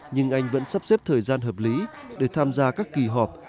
nhưng anh vẫn sắp xếp thời gian hợp lý để tham gia các kỳ họp